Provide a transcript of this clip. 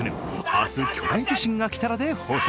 あす巨大地震が来たら」で放送。